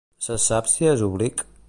Se sap si és oblic?